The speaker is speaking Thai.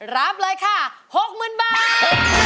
รับเลยค่ะ๖๐๐๐บาท